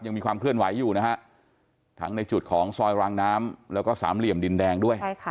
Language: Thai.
ยังมีความเคลื่อนไหวอยู่นะฮะทั้งในจุดของซอยรางน้ำแล้วก็สามเหลี่ยมดินแดงด้วย